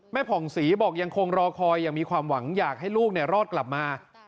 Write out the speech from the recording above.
ผ่องศรีบอกยังคงรอคอยอย่างมีความหวังอยากให้ลูกรอดกลับมา